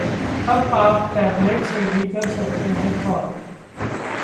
अब आप टैबलेट से भी कर सकते हैं कॉल